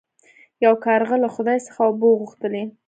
یو کارغه له خدای څخه اوبه وغوښتلې.